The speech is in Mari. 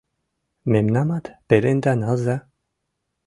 — Мемнамат пеленда налза!